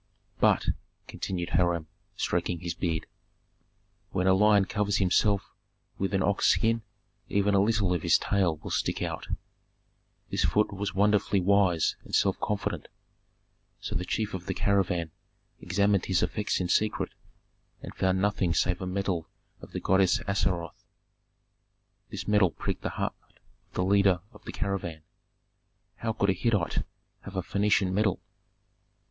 "But," continued Hiram, stroking his beard, "when a lion covers himself with an ox skin, even a little of his tail will stick out. This Phut was wonderfully wise and self confident; so the chief of the caravan examined his effects in secret, and found nothing save a medal of the goddess Astaroth. This medal pricked the heart of the leader of the caravan: 'How could a Hittite have a Phœnician medal?'